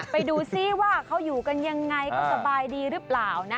ไปดูซิว่าเขาอยู่กันยังไงก็สบายดีหรือเปล่านะ